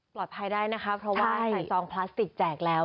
ภายได้นะคะเพราะว่าใส่ซองพลาสติกแจกแล้ว